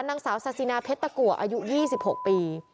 นางสาวซาซินาเพชรตะกัวอายุ๒๖ปี